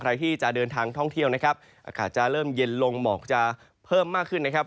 ใครที่จะเดินทางท่องเที่ยวนะครับอากาศจะเริ่มเย็นลงหมอกจะเพิ่มมากขึ้นนะครับ